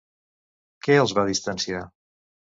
Què els va distanciar?